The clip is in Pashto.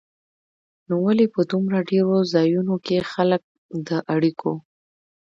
نو ولې په دومره ډېرو ځایونو کې خلک د اړیکو